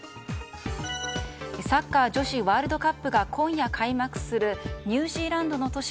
サッカー女子ワールドカップが今夜開幕するニュージーランドの都市